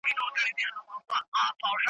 نه به دي د سره سالو پلو ته غزل ولیکي `